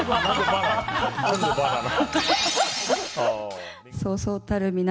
何のバナナ。